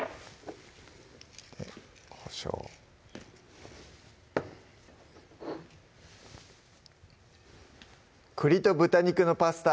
こしょう「栗と豚肉のパスタ」